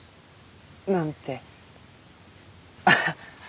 なんて。